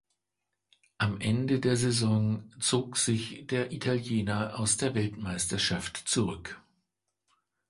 Am Ende der Saison zog sich der Italiener aus der Weltmeisterschaft zurück.